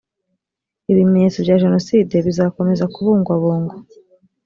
ibimenyetso bya jenoside bizakomeza kubungwabungwa.